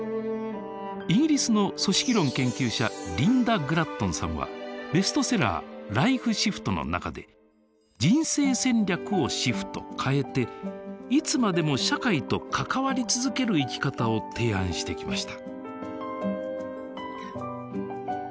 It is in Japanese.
イギリスの組織論研究者リンダ・グラットンさんはベストセラー「ＬＩＦＥＳＨＩＦＴ」の中で人生戦略をシフト変えていつまでも社会と関わり続ける生き方を提案してきました。